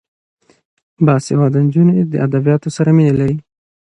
باسواده نجونې د ادبیاتو سره مینه لري.